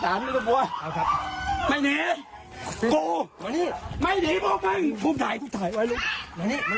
ท่านพ่อจิงมีกรูบอี้รึครับคุณลุง